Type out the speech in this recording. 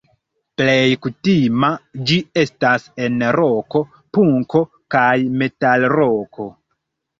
Plej kutima ĝi estas en roko, punko kaj metalroko.